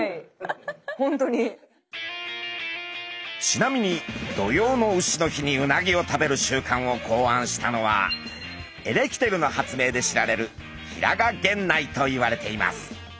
ちなみに土用の丑の日にうなぎを食べる習慣を考案したのはエレキテルの発明で知られる平賀源内といわれています。